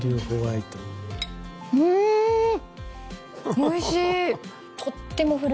おいしい！